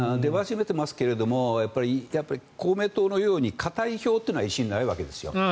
出始めていますけれどやっぱり公明党のように固い票というのは維新はないわけですよ。